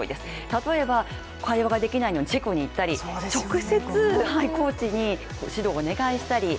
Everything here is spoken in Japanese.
例えば会話ができないのにチェコに行ったり直接、コーチに指導をお願いしたり。